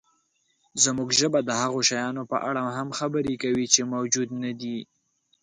زموږ ژبه د هغو شیانو په اړه هم خبرې کوي، چې موجود نهدي.